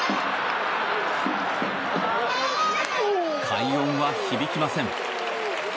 快音は響きません。